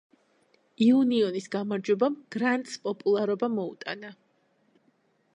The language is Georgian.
იუნიონის გამარჯვებამ გრანტს პოპულარობა მოუტანა.